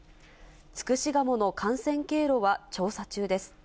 ツクシガモの感染経路は調査中です。